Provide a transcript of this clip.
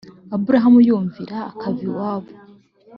aburahamu yumvira akava iwabo